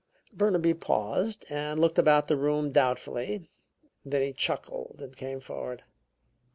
Burnaby paused and looked about the room doubtfully, then he chuckled and came forward.